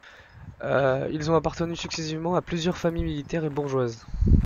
Ils ont appartenu successivement à plusieurs familles militaires et bourgeoises.